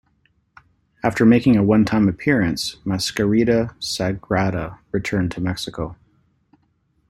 After making a onetime appearance Mascarita Sagrada returned to Mexico.